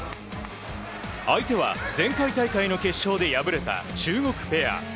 相手は前回大会の決勝で敗れた中国ペア。